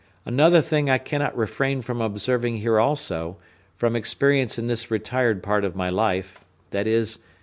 Another thing I cannot refrain from observing here also, from experience in this retired part of my life, viz.